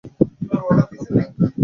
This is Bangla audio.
-কেন খাবে না রে, দূর।